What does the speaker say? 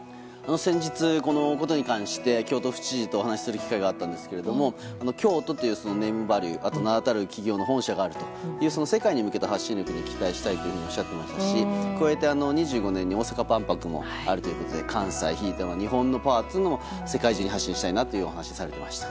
先日、このことに関して京都府知事とお話しする機会があったんですけど京都というネームバリューあとは名だたる企業の本社があるという世界に向けた発信力に期待したいとおっしゃっていましたし加えて、２０２５年に大阪万博もあるということで関西ひいては日本のパワーを世界に発信したいと話していました。